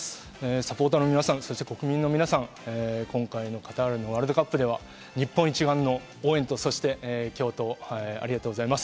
サポーターの皆さん、国民の皆さん、今回のカタールのワールドカップでは日本一丸の応援と共闘、ありがとうございます。